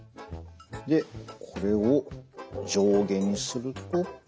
でこれを上下にすると。